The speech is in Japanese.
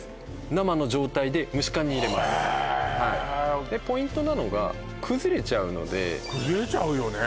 生の状態で蒸し缶に入れますへえポイントなのが崩れちゃうので崩れちゃうよね